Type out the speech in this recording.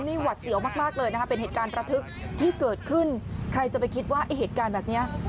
นี่หวัดเสียวมากเลยนะคะเป็นเหตุการณ์ระทึกที่เกิดขึ้นใครจะไปคิดว่าไอ้เหตุการณ์แบบนี้